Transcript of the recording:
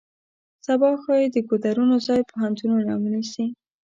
سبا ښایي د ګودرونو ځای پوهنتونونه ونیسي.